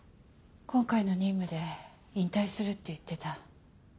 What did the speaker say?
今回の任務で引退するって言ってた。